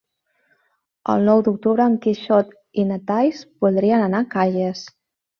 El nou d'octubre en Quixot i na Thaís voldrien anar a Calles.